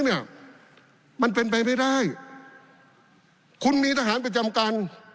เนี่ยมันเป็นไปไม่ได้คุณมีทหารประจำการ